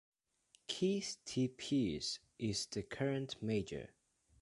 Keith T. Peirce is the current mayor.